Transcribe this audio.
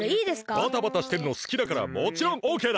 バタバタしてるのすきだからもちろんオッケーだ！